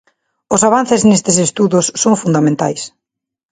Os avances nestes estudos son fundamentais.